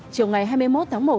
chiều ngày hai mươi một tháng một